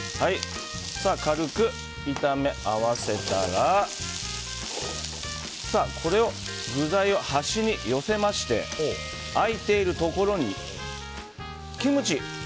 軽く炒め合わせたら具材を端に寄せまして空いているところにキムチ